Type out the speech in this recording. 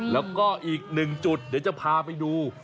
แล้วก็อีกหนึ่งจุดเดี๋ยวจะพาไปดู